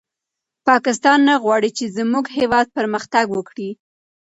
پاکستان نه غواړي چې زموږ هېواد پرمختګ وکړي.